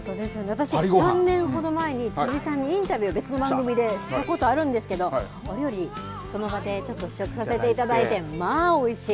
私、３年ほど前に辻さんにインタビュー、別の番組でしたことあるんですけど、お料理、その場でちょっと試食させていただいて、まあおいしい。